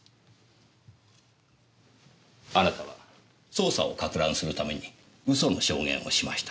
あなたは捜査をかく乱するために嘘の証言をしました。